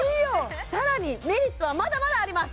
さらにメリットはまだまだあります